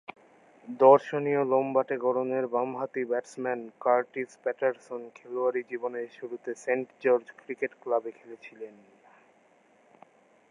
দর্শনীয়, লম্বাটে গড়নের বামহাতি ব্যাটসম্যান কার্টিস প্যাটারসন খেলোয়াড়ী জীবনের শুরুতে সেন্ট জর্জ ক্রিকেট ক্লাবে খেলেছিলেন।